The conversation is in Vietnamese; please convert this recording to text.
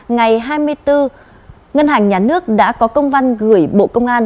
ngày hai mươi bốn ngân hàng nhà nước đã có công văn gửi bộ công an